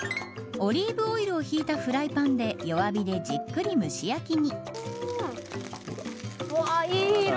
オリーブオイルをひいたフライパンで弱火でじっくり蒸し焼きに。